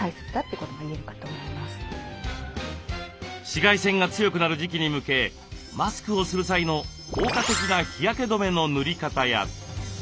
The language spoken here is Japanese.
紫外線が強くなる時期に向けマスクをする際の効果的な日焼け止めの塗り方や。